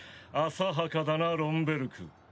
浅はかだなロン・ベルク。